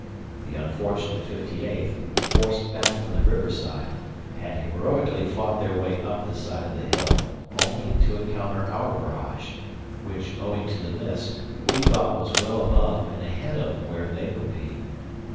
The unfortunate 58th, forced back from the river side, had heroically fought their way up the side of the hill, only to encounter our barrage, which, owing to the mist, we thought was well above and ahead of where they would be.